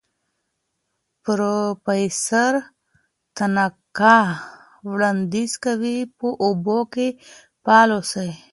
پروفیسور تاناکا وړاندیز کوي په اوبو کې فعال اوسئ.